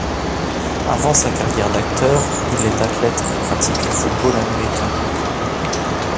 Avant sa carrière d'acteur, il est athlète et pratique le football américain.